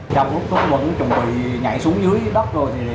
trong lúc tôi vẫn chuẩn bị nhảy xuống dưới đất rồi thì thấy xe cứu hỏa